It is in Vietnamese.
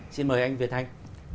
xin mời anh việt thanh